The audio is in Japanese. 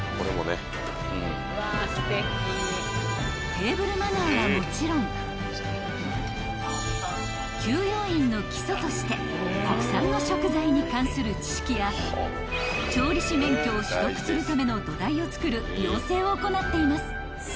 ［テーブルマナーはもちろん給養員の基礎として国産の食材に関する知識や調理師免許を取得するための土台をつくる養成を行っています］